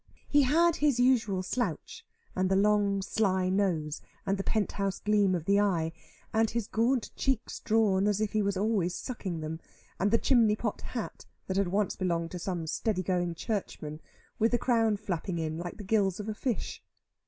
He had his usual slouch, and the long sly nose, and the pent house gleam of the eye, and his gaunt cheeks drawn as if he was always sucking them, and the chimneypot hat, that had once belonged to some steady going Churchman, with the crown flapping in, like the gills of a fish.